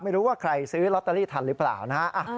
ไม่รู้ว่าใครซื้อลอตเตอรี่ทันหรือเปล่านะฮะ